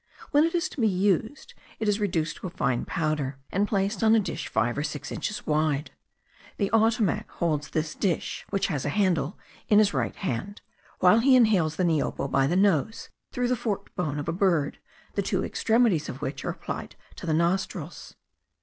When it is to be used, it is reduced to a fine powder, and placed on a dish five or six inches wide. The Ottomac holds this dish, which has a handle, in his right hand, while he inhales the niopo by the nose, through the forked bone of a bird, the two extremities of which are applied to the nostrils.